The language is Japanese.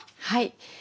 はい。